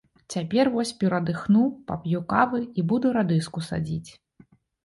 Цяпер вось перадыхну, пап'ю кавы і буду радыску садзіць.